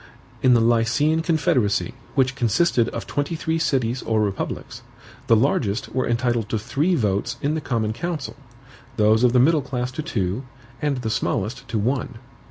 In the Lycian confederacy, which consisted of twenty three CITIES or republics, the largest were entitled to THREE votes in the COMMON COUNCIL, those of the middle class to TWO, and the smallest to ONE.